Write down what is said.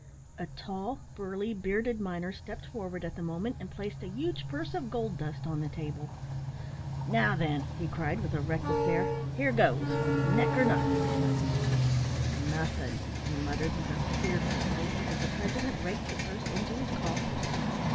A tall, burly, bearded miner stepped forward at the moment and placed a huge purse of gold dust on the table "Now, then," he cried, with a reckless air, "here goes neck or nothin'." "Nothin'!" he muttered with a fearful oath, as the president raked the purse into his coffers.